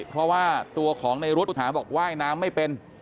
เพราะว่าตัวของนายรุ๊ตถามบอกว่าไกลน้ำไม่เป่น